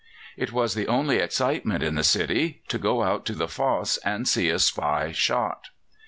It was the only excitement in the city to go out to the fosse and see a spy shot.